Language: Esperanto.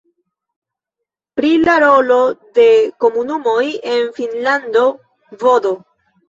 Pri la rolo de komunumoj en Finnlando vd.